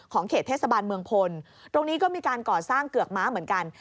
เขตเทศบาลเมืองพลตรงนี้ก็มีการก่อสร้างเกือกม้าเหมือนกัน